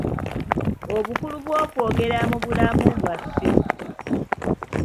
Obukulu bw’okwogera mu bulamu bwaffe.